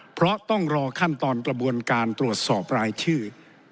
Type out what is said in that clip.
เพราะต้องรอขั้นตอนกระบวนการตรวจสอบรายชื่อ